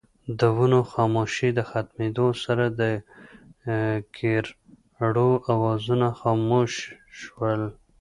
د ونو خاموشۍ د ختمېدو سره دکيرړو اوازونه خاموش شول